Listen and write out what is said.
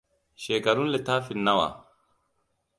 Shekarun littafin nawa?